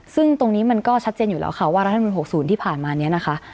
ซึ่งตรงนี้มันก็ชัดเจนอยู่แล้วค่ะว่ารัฐมนุน๖๐ที่ผ่านมาเนี่ยนะคะ